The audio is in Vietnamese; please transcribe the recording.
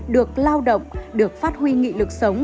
được lao động được phát huy nghị lực sống